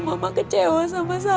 mama kecewa sama sama